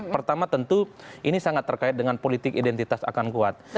pertama tentu ini sangat terkait dengan politik identitas akan kuat